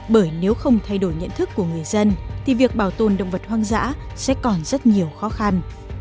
bởi nếu không thay đổi nhận thức của người dân thì việc bảo tồn động vật hoang dã sẽ còn rất nhiều khó khăn